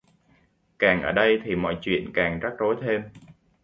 Càng ở đây thì mọi chuyện càng rắc rối thêm